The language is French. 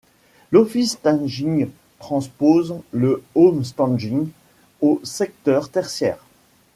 L'Office staging transpose le Home staging au secteur tertiaire.